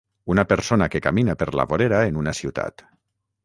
Una persona que camina per la vorera en una ciutat.